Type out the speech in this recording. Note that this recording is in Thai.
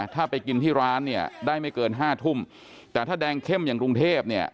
ถ้าไปกินที่ร้านเนี่ยได้ไม่เกินห้าทุ่มแต่ถ้าแดงเข้มอย่างกรุงเทพเนี่ย